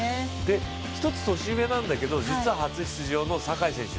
一つ年上なんだけど、実は初出場の坂井選手